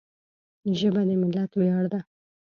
ژبه د ملت ویاړ ده